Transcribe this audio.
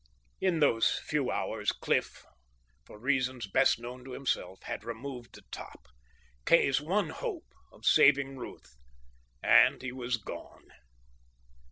In those few hours Cliff, for reasons best known to himself, had removed the top, Kay's one hope of saving Ruth. And he was gone.